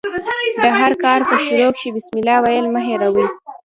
د هر کار په شروع کښي بسم الله ویل مه هېروئ!